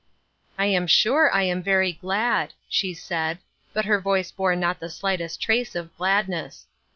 *' I am sure I am very glad," she said, but her voice bore not the slightest trace of gladness.